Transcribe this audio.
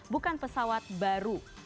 bukan pesawat baru